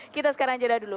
kita sekarang jeda dulu